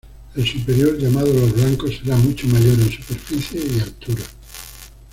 El superior, llamado "Los Blancos", será mucho mayor en superficie y altura.